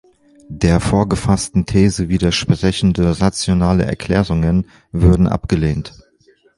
Der vorgefassten These widersprechende rationale Erklärungen würden abgelehnt.